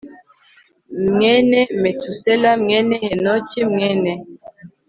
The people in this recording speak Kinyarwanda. mwene Metusela mwene Henoki mwene